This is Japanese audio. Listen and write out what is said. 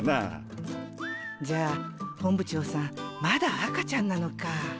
じゃあ本部長さんまだ赤ちゃんなのか。